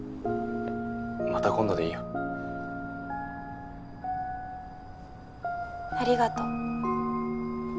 また今度でいいよ。ありがと。